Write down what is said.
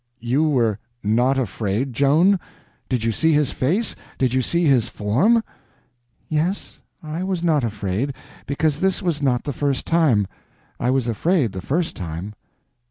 "You were not afraid, Joan? Did you see his face—did you see his form?" "Yes; I was not afraid, because this was not the first time. I was afraid the first time."